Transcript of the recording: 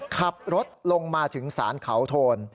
ขับรถลงมาถึงศาลเขาโทน